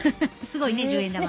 すごいね１０円玉。